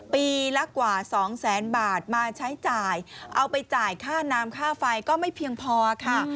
ปีละกว่าสองแสนบาทมาใช้จ่ายเอาไปจ่ายค่าน้ำค่าไฟก็ไม่เพียงพอค่ะ